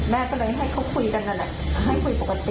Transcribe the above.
แม่ก็เลยให้เขาคุยกันนั่นแหละให้คุยปกติ